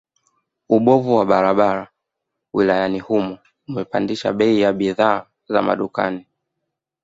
Ubovu wa barabara wilayani humo umepandisha bei ya bidhaa za madukani